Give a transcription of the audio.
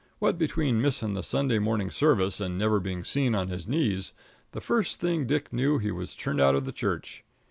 What between missing the Sunday morning service and never being seen on his knees, the first thing Dick knew he was turned out of the church.